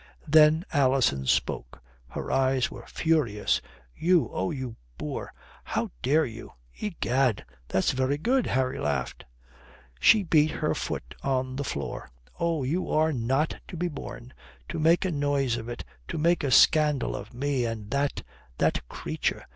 Then Alison spoke. Her eyes were furious. "You oh, you boor! How dare you?" "Egad, that's very good!" Harry laughed. She beat her foot on the floor. "Oh, you are not to be borne! To make a noise of it! To make a scandal of me and that that creature!"